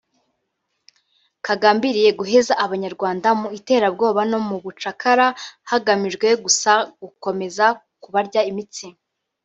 kagambiriye guheza abanyarwanda mu iterabwoba no mu bucakara hagamijwe gusa gukomeza kubarya imitsi”